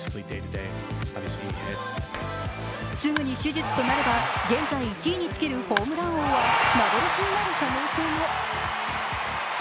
すぐに手術となれば現在、１位につけるホームラン王は幻になる可能性も。